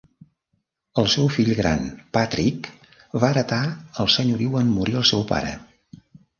El seu fill gran, Patrick, va heretar el senyoriu en morir el seu pare.